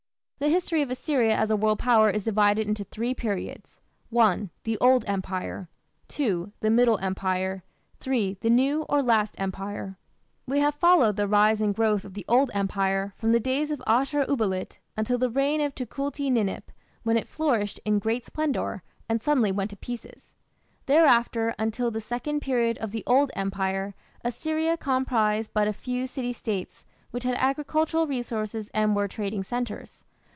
The history of Assyria as a world power is divided into three periods: (1) the Old Empire; (2) the Middle Empire; (3) the New or Last Empire. We have followed the rise and growth of the Old Empire from the days of Ashur uballit until the reign of Tukulti Ninip, when it flourished in great splendour and suddenly went to pieces. Thereafter, until the second period of the Old Empire, Assyria comprised but a few city States which had agricultural resources and were trading centres.